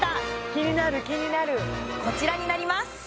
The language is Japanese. キニナルキニナルこちらになります